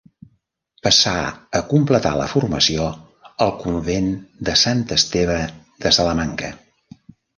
Passà a completar la formació al convent de Sant Esteve de Salamanca.